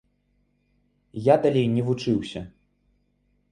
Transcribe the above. Я далей не вучыўся.